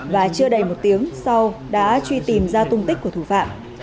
và chưa đầy một tiếng sau đã truy tìm ra tung tích của thủ phạm